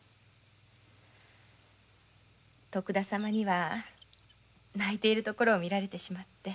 徳田様には泣いているところを見られてしまって。